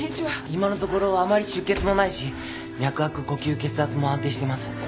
今のところあまり出血もないし脈拍呼吸血圧も安定しています。